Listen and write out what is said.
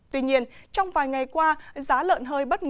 tuy nhiên trong vài ngày qua giá lợn hơi bất ngờ